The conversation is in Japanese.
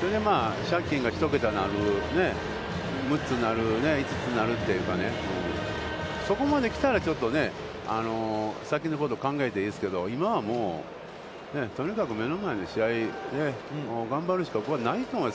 それで借金が１桁になる、６つになる、５つになる、そこまで来たらちょっとね、先のこと考えていいですけど、今はもう、とにかく目の前の試合を頑張るしかないと思う。